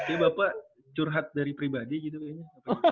ini bapak curhat dari pribadi gitu kayaknya